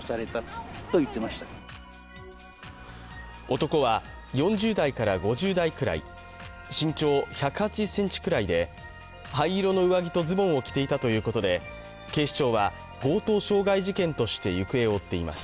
男は４０代から５０代くらい、身長１８０ｃｍくらいで灰色の上着とズボンを着ていたということで警視庁は強盗傷害事件として行方を追っています。